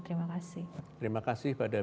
terima kasih terima kasih pada